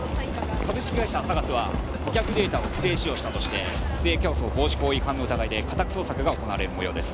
株式会社ＳＡＧＡＳは顧客データを不正使用したとして不正競争防止法違反の疑いで家宅捜索が行われる模様です